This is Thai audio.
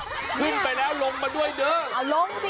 ขึ้นไปแล้วลงมาด้วยเด้อ